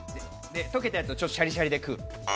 溶けたやつをシャリシャリで食う。